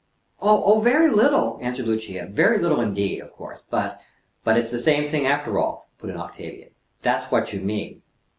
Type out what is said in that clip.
"Oh, very little!" answered Lucia; "very little indeed, of course; but" "But it's the same thing after all," put in Octavia. "That's what you mean."